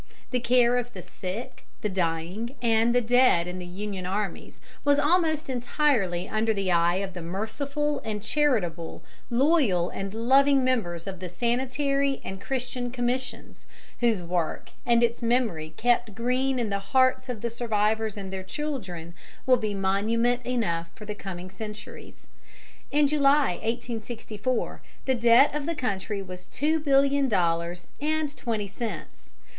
The care of the sick, the dying, and the dead in the Union armies was almost entirely under the eye of the merciful and charitable, loyal and loving members of the Sanitary and Christian Commissions, whose work and its memory kept green in the hearts of the survivors and their children will be monument enough for the coming centuries. In July, 1864, the debt of the country was two billion dollars and twenty cents.